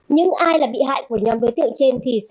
nhưng ai là bị hại của nhóm đối tượng trên thì sẽ bị bắt giữ